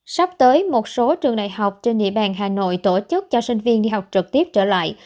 sắp tới một số trường đại học trên địa bàn hà nội tổ chức cho sinh viên đi học trực tiếp trở lại